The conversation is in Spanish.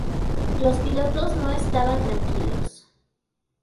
Los pilotos no estaban tranquilos.